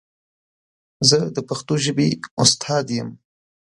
زه د پښتو ژبې استاد یم.